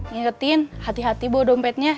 ngingetin hati hati bawa dompetnya